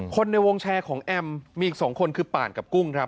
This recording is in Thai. คนในวงแชร์ของแอมป์มีอีกสองคนคือป่านกับกุ้ง